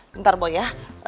bentar boy ya